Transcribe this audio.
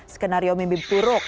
skenario mimpi buruk